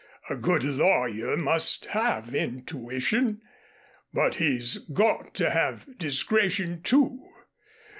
A good lawyer must have intuition. But he's got to have discretion, too.